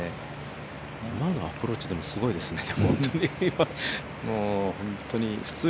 今のアプローチ、すごいですね、本当に。